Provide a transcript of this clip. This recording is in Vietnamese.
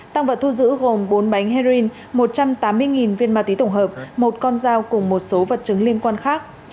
tăng vật thu giữ gồm bốn bánh heroin một trăm tám mươi viên ma túy tổng hợp một con dao cùng một số vật chứng liên quan khác